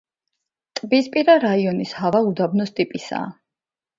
ტბისპირა რაიონის ჰავა უდაბნოს ტიპისაა.